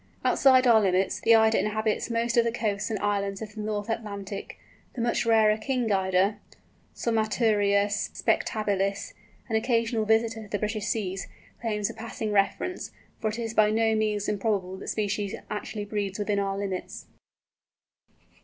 Outside our limits, the Eider inhabits most of the coasts and islands of the North Atlantic. The much rarer King Eider, Somateria spectabilis—an occasional visitor to the British Seas—claims a passing reference, for it is by no means improbable that the species actually breeds within our limits.